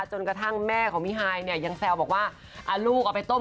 จนแม่ของพี่ไพยยังแซวบอกว่า